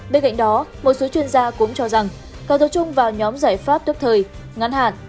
bên cạnh đó một số chuyên gia cũng cho rằng cần tập trung vào nhóm giải pháp tức thời ngắn hạn